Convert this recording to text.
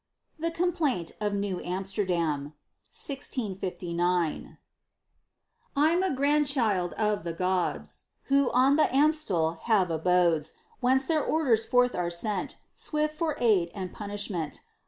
THE COMPLAINT OF NEW AMSTERDAM I'm a grandchild of the gods Who on th' Amstel have abodes; Whence their orders forth are sent, Swift for aid and punishment.